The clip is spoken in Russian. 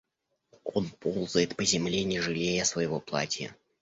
Он ползает по земле, не жалея своего платья.